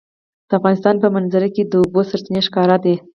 د افغانستان په منظره کې د اوبو سرچینې ښکاره ده.